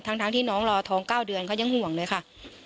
ทั้งที่น้องรอท้อง๙เดือนเขายังห่วงเลยค่ะ